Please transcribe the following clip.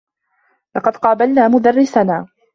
لقد قابلنا مدرّسنا.